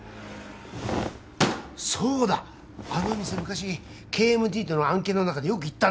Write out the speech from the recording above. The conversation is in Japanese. あの店昔ＫＭＴとの案件の中でよく行ったんだ。